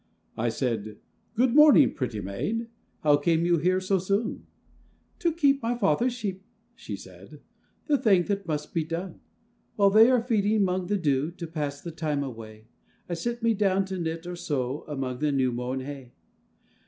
I said, 'Good morning, pretty maid, How came you here so soon?' 'To keep my father's sheep,' she said, 'The thing that must be done: While they are feeding 'mong the dew, To pass the time away, I sit me down to knit or sew, Among the new mown hay.